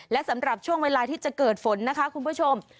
และสำหรับช่วงเวลาที่จะเกิดฝนนะคะคุณผู้ชม